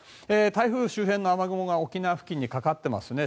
台風周辺の雨雲が沖縄付近にかかってますね。